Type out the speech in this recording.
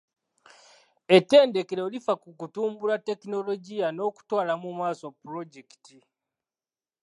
Ettendekero lifa ku kutumbula tekinologiya n'okutwala mu maaso pulojekiti.